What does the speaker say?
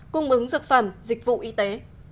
cung ứng dược phẩm dịch vụ y tế